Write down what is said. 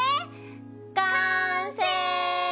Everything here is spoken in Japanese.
完成！